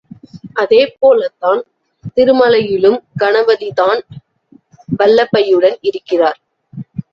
அதே போலத்தான் திருமலையிலும் கணபதிதான் வல்லபையுடன் இருக்கிறார்.